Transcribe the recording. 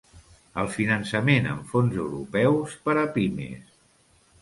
El finançament amb fons europeus per a pimes.